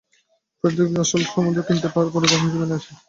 গৃহিণী ফেরদৌসী আক্তার আসল স্বাদের মসলা কিনতে প্রতিবার বাণিজ্য মেলায় আসেন।